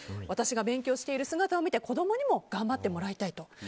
私が勉強している姿を見て子供にも頑張ってもらいたいと。